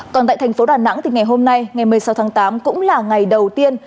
còn tại thành phố đà nẵng thì ngày hôm nay ngày một mươi sáu tháng tám cũng là ngày đầu tiên